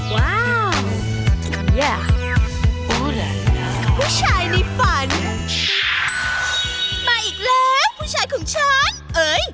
ว้าวผู้ชายในฝันมาอีกแล้วผู้ชายของฉันเอ้ย